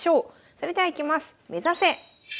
それではいきます。